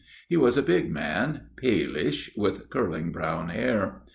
He was a big man, palish, with curling brown hair.